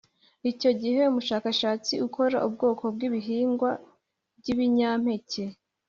Icyo Gihe Umushakashatsi Ukora Ubwoko Bw Ibihingwa byibinyameke